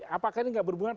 apakah ini nggak berhubungan